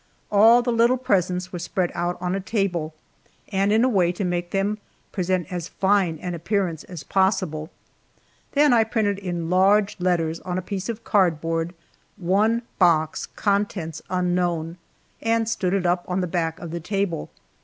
All the little presents were spread out on a table, and in a way to make them present as fine an appearance as possible. Then I printed in large letters, on a piece of cardboard, "One box contents unknown!" and stood it up on the back of the table.